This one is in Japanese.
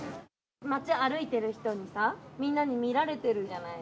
街歩いてる人にさ、みんなに見られてるじゃない。